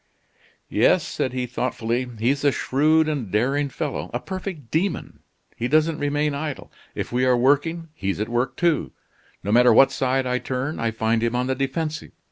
"Yes," said he thoughtfully, "he's a shrewd and daring fellow a perfect demon. He doesn't remain idle. If we are working, he's at work too. No matter what side I turn, I find him on the defensive.